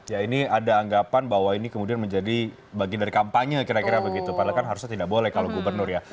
ya ini ada anggapan bahwa ini kemudian menjadi bagian dari kampanye kira kira begitu padahal kan harusnya tidak boleh kalau gubernur ya